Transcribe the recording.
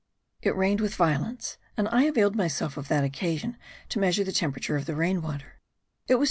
It rained with violence, and I availed myself of that occasion to measure the temperature of the rain water: it was 26.